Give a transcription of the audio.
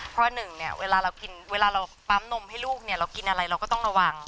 เพราะหนึ่งเวลาเราปั๊มนมให้ลูกเรากินอะไรเราก็ต้องระวัง